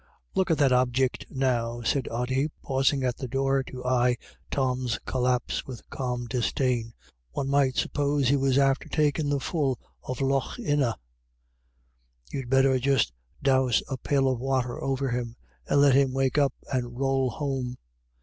" Look at that objick now," said Ody, pausing at the door to eye Tom's collapse with calm disdain, " one might suppose he was after takin' the full of Lough Inagh. You'd better just dowse a pail of water over him, and let him wake up and rowl home."